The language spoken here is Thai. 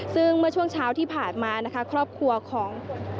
ซึ่งเมื่อช่วงเช้าที่ผ่านมานะคะครอบครัวของ